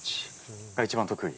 が一番得意？